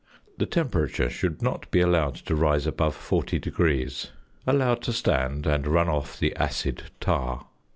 The temperature should not be allowed to rise above 40°. Allow to stand, and run off the "acid tar."